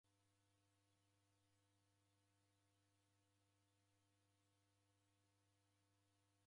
W'aralomba Mlungu ungirie ghadi ya ijo ilagho.